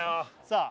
さあ